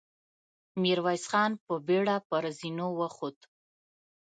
ميرويس خان په بېړه پر زينو وخوت.